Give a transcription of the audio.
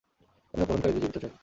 আমি অপহরণকারীদের জীবিত চাই।